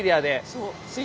そう。